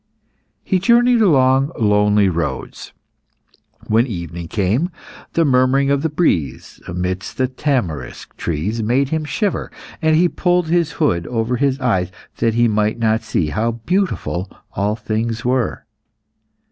He journeyed along lonely roads. When evening came, the murmuring of the breeze amidst the tamarisk trees made him shiver, and he pulled his hood over his eyes that he might not see how beautiful all things were.